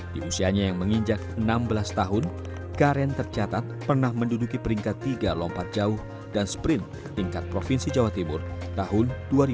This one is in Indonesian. di usianya yang menginjak enam belas tahun karen tercatat pernah menduduki peringkat tiga lompat jauh dan sprint tingkat provinsi jawa timur tahun dua ribu dua